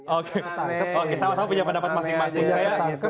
oke sama sama pinjaman pendapat masing masing saya